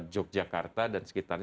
jogjakarta dan sekitarnya